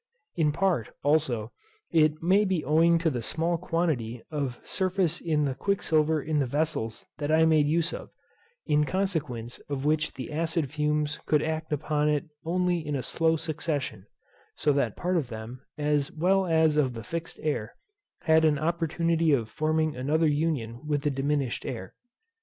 In part, also, it may be owing to the small quantify of surface in the quicksilver in the vessels that I made use of; in consequence of which the acid fumes could act upon it only in a slow succession, so that part of them, as well as of the fixed air, had an opportunity of forming another union with the diminished air.